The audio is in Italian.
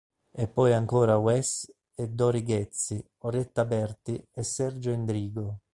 E poi ancora Wess e Dori Ghezzi, Orietta Berti e Sergio Endrigo.